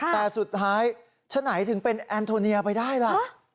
แต่สุดท้ายฉะไหนถึงเป็นแอนโทเนียไปได้ล่ะ